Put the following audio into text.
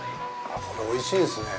あっ、これ、おいしいですね！